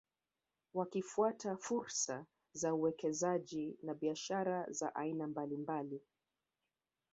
Wakifuata fursa za uwekezaji na biashara za aina mbalimbali